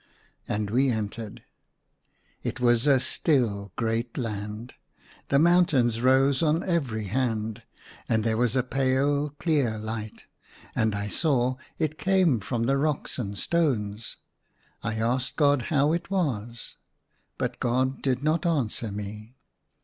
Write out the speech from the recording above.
And we entered. It was a still great land. The mountains rose on every hand, and there was a pale clear light; and I saw it came from the rocks and stones. I asked God how it was. But God did not answer me.